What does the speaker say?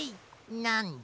なんだ？